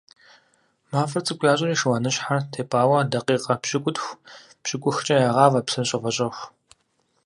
Мафӏэр цӏыкӏу ящӏри шыуаныщхьэр тепӏауэ дакъикъэ пщыкӏутху - пщыкӏухкӏэ ягъавэ псыр щӏэвэщӏэху.